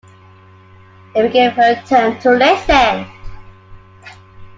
It became her turn to listen.